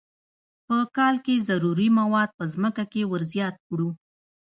په کال کې ضروري مواد په ځمکه کې ور زیات کړو.